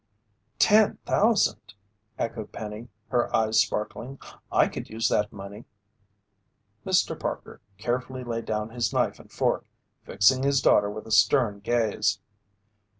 "Ten thousand!" echoed Penny, her eyes sparkling. "I could use that money!" Mr. Parker carefully laid down his knife and fork, fixing his daughter with a stern gaze.